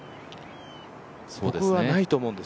僕はないと思うんです。